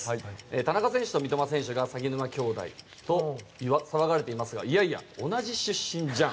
田中選手と三笘選手が鷺沼兄弟と騒がれていますがいやいや、同じ出身じゃん。